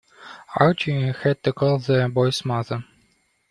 Archi had to call the boy's mother.